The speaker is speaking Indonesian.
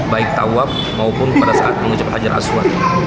baik tawab maupun pada saat mengucapkan hajar aswad